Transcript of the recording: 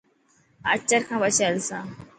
اچر کان پڇي هلسان.